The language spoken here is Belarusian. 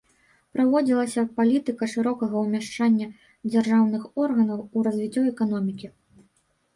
Праводзілася палітыка шырокага ўмяшання дзяржаўных органаў у развіццё эканомікі.